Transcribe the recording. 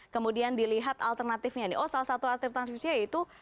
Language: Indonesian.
kemudian dilihat alternatifnya nih oh salah satu alternatifnya yaitu